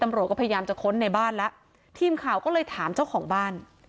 ตำรวจก็พยายามจะค้นในบ้านแล้วทีมข่าวก็เลยถามเจ้าของบ้าน